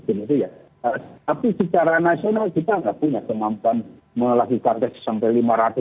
tapi secara nasional kita tidak punya kemampuan melakukan konteks sampai lima ratus ribu